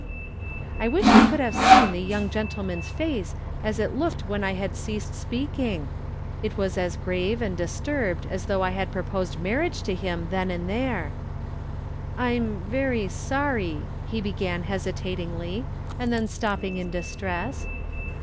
I wish you could have seen the young gentle man's face as it looked when I had ceased speak ing ! It was as grave and disturbed as though I had proposed marriage to him then and there. " I'm very sorrj' ," he began, hesitatingly, and then stopping in distress.